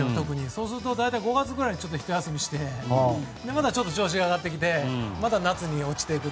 そうすると５月くらいにひと休みしてまたちょっと調子が上がってきてまた夏に落ちていく。